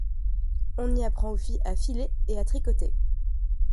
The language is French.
On y apprend aux filles à filer et à tricoter.